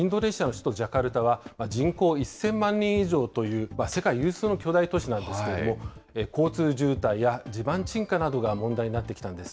首都ジャカルタは、人口１０００万人以上という、世界有数の巨大都市なんですけれども、交通渋滞や地盤沈下などが問題になってきたんです。